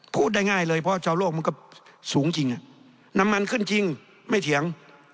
พูดได้ง่ายเลยเพราะชาวโลกมันก็สูงจริงน้ำมันขึ้นจริงไม่เถียง